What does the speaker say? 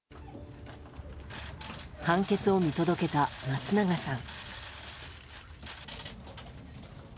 判決を見届けた松永さん。